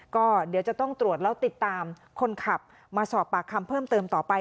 ก็เดี๋ยวจะต้องตรวจแล้วติดตามคนขับมาสอบปากคำเพิ่มเติมต่อไป